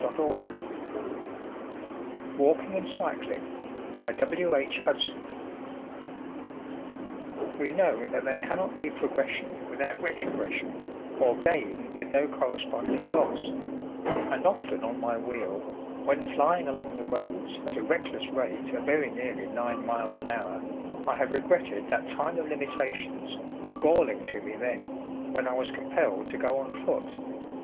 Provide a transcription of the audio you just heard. Chapter Three: Walking and Cycling We know that there cannot be progression without retrogression, or gain with no corresponding loss; and often on my wheel, when flying along the roads at a reckless rate of very nearly nine miles an hour, I have regretted that time of limitations, galling to me then, when I was compelled to go on foot.